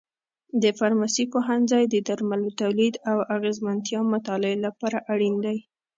د فارمسي پوهنځی د درملو تولید او اغیزمنتیا مطالعې لپاره اړین دی.